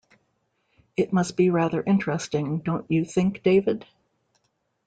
It must be rather interesting, don’t you think, David?